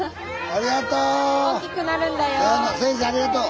先生ありがとう。